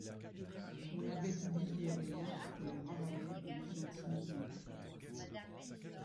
On n'avait oublié rien pour les ravaler et les intimider.